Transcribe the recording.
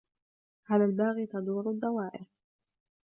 على الباغي تدور الدوائر